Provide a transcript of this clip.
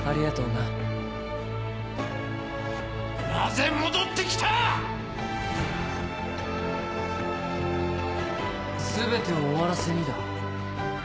なぜ戻って来た⁉全てを終わらせにだ。